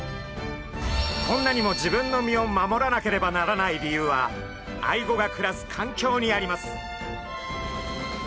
こんなにも自分の身を守らなければならない理由はアイゴが暮らす環境にあります。